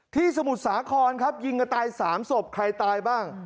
สมุทรสาครครับยิงกันตาย๓ศพใครตายบ้าง